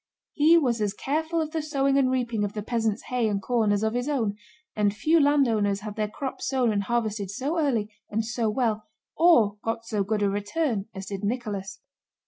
He was as careful of the sowing and reaping of the peasants' hay and corn as of his own, and few landowners had their crops sown and harvested so early and so well, or got so good a return, as did Nicholas.